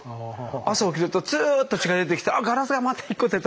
朝起きるとツーッと血が出てきてあっガラスがまた１個出た。